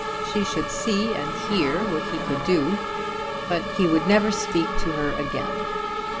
She should see and hear what he could do; but he would never speak to her again.